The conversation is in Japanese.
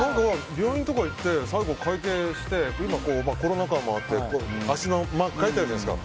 病院とか行って最後、会計して今コロナ禍もあって足のマーク描いてあるじゃないですか。